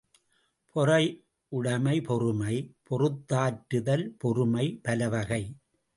பொறையுடைமை பொறுமை பொறுத்தாற்றுதல், பொறுமை பலவகை.